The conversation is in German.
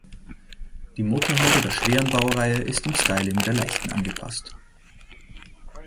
Die Motorhaube der schweren Baureihe ist im Styling der leichten angepasst.